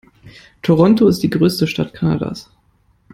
Toronto ist die größte Stadt Kanadas.